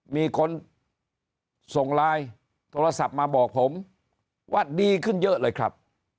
มีคนส่งไลน์โทรศัพท์มาบอกผมว่าดีขึ้นเยอะเลยครับ